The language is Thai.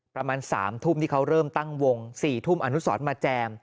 ประมาณ๓ทุ่มที่เขาเริ่มตั้งวง๔ทุ่มอนุสรมาแจม